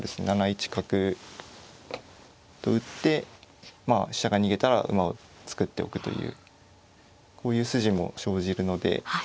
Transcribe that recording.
７一角と打って飛車が逃げたら馬を作っておくというこういう筋も生じるので。